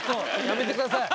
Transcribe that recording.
やめてください。